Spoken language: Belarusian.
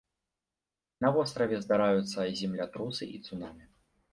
На востраве здараюцца землятрусы і цунамі.